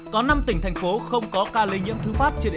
có năm tỉnh thành phố không có ca lây nhiễm thứ phát